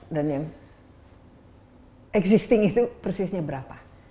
dan yang existing itu persisnya berapa